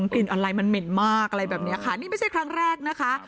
กลิ่นออนไลน์มันเหม็นมากอะไรแบบนี้ค่ะนี่ไม่ใช่ครั้งแรกนะคะ